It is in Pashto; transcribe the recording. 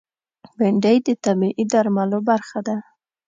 بېنډۍ د طبعي درملو برخه ده